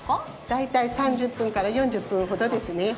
大体３０分から４０分ほどですね。